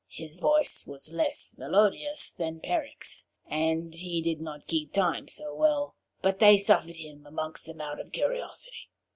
His voice was less melodious than Peric's, and he did not keep time so well, but they suffered him amongst them out of curiosity.